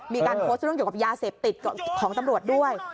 มีการโพสต์เรื่องเกี่ยวกับยาเสพติดของตำรวจด้วย